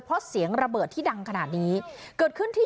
เพราะเสียงระเบิดที่ดังขนาดนี้เกิดขึ้นที่